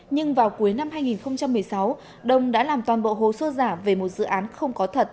nhưng vào cuối năm hai nghìn một mươi sáu đông đã làm toàn bộ hồ sơ giả về một dự án không có thật